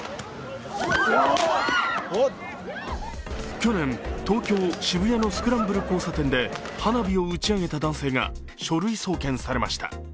去年、東京・渋谷のスクランブル交差点で花火を打ち上げた男性が書類送検されました。